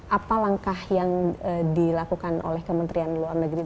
apa langkah yang dilakukan oleh kementerian luar negeri